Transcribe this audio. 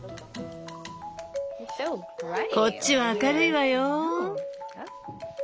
こっちは明るいわよ。